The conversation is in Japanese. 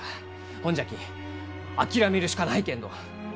ほんじゃき諦めるしかないけんど！